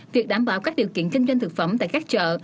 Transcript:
việc đảm bảo các điều kiện kinh doanh thực phẩm tại các chợ